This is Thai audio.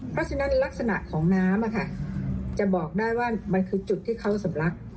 เพราะฉะนั้นลักษณะของน้ำจะบอกได้ว่ามันคือจุดที่เขาสำลัก